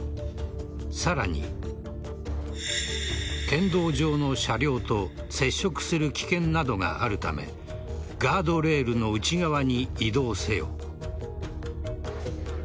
さらに県道上の車両と接触する危険などがあるためガードレールの内側に移動せよ。